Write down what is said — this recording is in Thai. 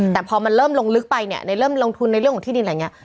แต่พอมันเริ่มลงลึกไปเนี่ยในเริ่มลงทุนในเรื่องของที่ดินอะไรอย่างนี้